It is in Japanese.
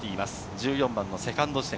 １４番のセカンド地点。